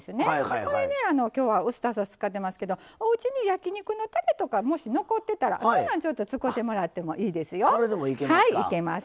それで、今日はウスターソース使ってますけどおうちに焼き肉のたれとかもし残っていたら、そんなん使ってもらってもいいですよ。